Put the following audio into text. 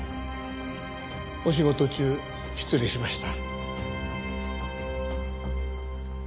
お仕事中失礼しました。